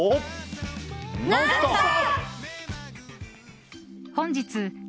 「ノンストップ！」。